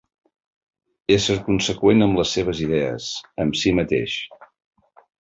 Ésser conseqüent amb les seves idees, amb si mateix.